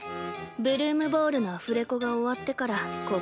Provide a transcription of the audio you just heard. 「ブルームボール」のアフレコが終わってから心